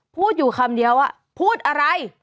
พูดอยู่คำเดียวว่าพูดอะไร